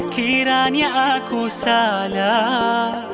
kiranya aku salah